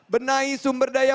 benahi sumber daya